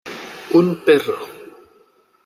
Un perro.